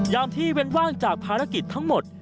ยามที่เป็นว่างจากภารกิจทั้งหมด